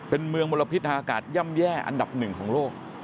เป็นเมืองมลพิษทางอากาศย่ำแย่อันดับหนึ่งของโลก